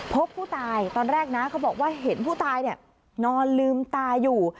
พบผู้ตายตอนแรกนะเขาบอกว่าเห็นผู้ตายนอนลืมตาอยู่